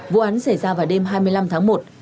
vụ án xảy ra vào đêm hai mươi năm tháng một